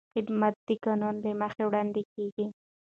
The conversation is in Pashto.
خدمت د قانون له مخې وړاندې کېږي.